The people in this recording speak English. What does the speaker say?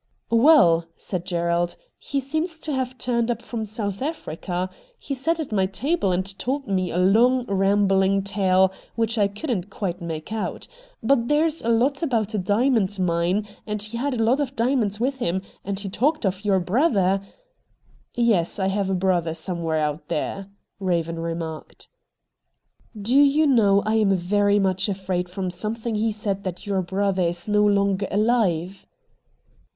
' Well,' said Gerald, ' he seems to have turned up from South Africa. He sat at my IN THE DOORWAY 91 table and told me a long, rambling tale whicb I couldn't quite make out. But there's a lot about a diamond mine, and he had a lot of diamonds with him, and he talked of your brother ' 'Yes, I have a brother somewhere out there,' Eaven remarked. 'Do you know I am very much afraid from something he said that your brother is no longer alive